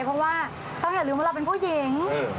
เพราะว่าเขาอย่าลืมว่าเราเป็นผู้หญิง